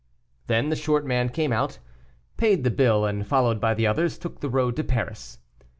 Then the short man came out, paid the bill, and, followed by the others, took the road to Paris.